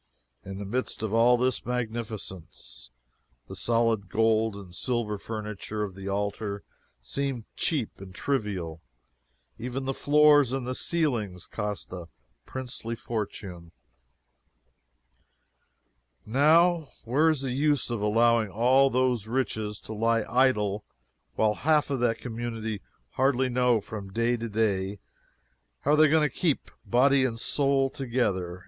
In the midst of all this magnificence, the solid gold and silver furniture of the altar seemed cheap and trivial. Even the floors and ceilings cost a princely fortune. Now, where is the use of allowing all those riches to lie idle, while half of that community hardly know, from day to day, how they are going to keep body and soul together?